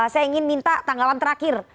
saya ingin minta tanggapan terakhir